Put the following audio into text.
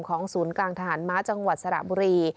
ศูนย์กลางทหารม้าจังหวัดสระบุรี